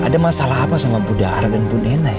ada masalah apa sama budara dan bu nena ya